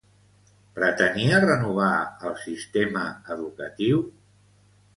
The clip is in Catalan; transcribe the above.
Pretenia renovar el sistema educatiu?